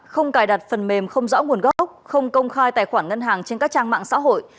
không cài đặt phần mềm không rõ nguồn gốc không công khai tài khoản ngân hàng trên các trang mạng xã hội